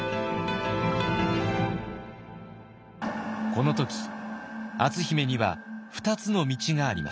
この時篤姫には２つの道がありました。